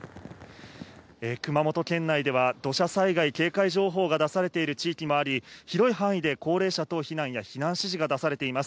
熊本県内では、土砂災害警戒情報が出されている地域もあり、広い範囲で高齢者等避難や避難指示が出されています。